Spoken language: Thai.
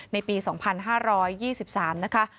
ในปี๒๕๒๓นะคะ